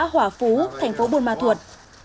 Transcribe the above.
hỏa phú thành phố buôn ma thuột